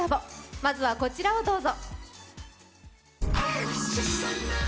まずはこちらをどうぞ。